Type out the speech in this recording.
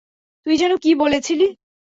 তুই যেন কী বলেছিলি?